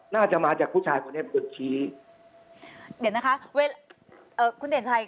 น่าจะมาจากผู้ชายคนนี้เป็นคนชี้เดี๋ยวนะคะเวลาเอ่อคุณเด่นชัย